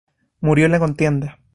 Murió en la contienda.